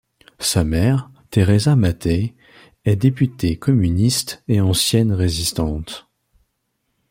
Sa mère, Teresa Mattei, est députée communiste et ancienne résistante.